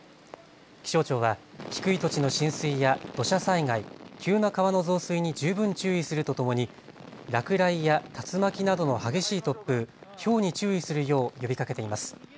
気象庁は低い土地の浸水や土砂災害、急な川の増水に十分注意するとともに落雷や竜巻などの激しい突風、ひょうに注意するよう呼びかけています。